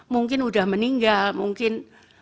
mungkin sudah meninggal mungkin